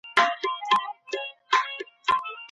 مېلمنو ته کمه ډوډۍ نه ورکول کېږي.